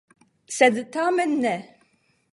Sed tamen ne!